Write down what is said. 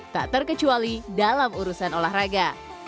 tak terkecuali dalam urusan olahraga